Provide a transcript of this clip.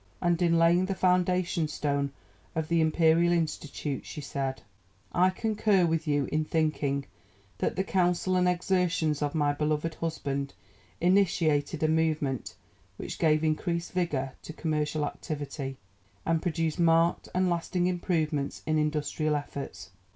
And in laying the foundation stone of the Imperial Institute, she said: "I concur with you in thinking that the counsel and exertions of my beloved husband initiated a movement which gave increased vigour to commercial activity, and produced marked and lasting improvements in industrial efforts.